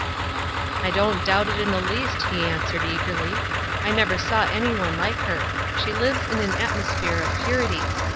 "I don't doubt it in the least," he answered, eagerly. "I never saw any one like her. She lives in an atmosphere of purity.